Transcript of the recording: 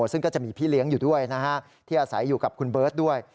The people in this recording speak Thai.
ซึ่งก็จะมีพี่เลี้ยงอยู่ด้วยนะฮะที่อาศัยอยู่กับคุณเบิร์ตด้วย